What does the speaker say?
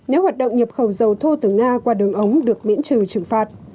nếu hoạt động nhập khẩu dầu thô từ nga qua đường ống được miễn trừ trừng phạt